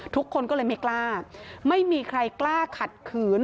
ทุกคนก็เลยไม่กล้าไม่มีใครกล้าขัดขืน